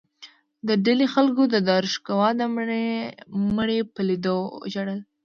د ډیلي خلکو د داراشکوه د مړي په لیدو ژړل.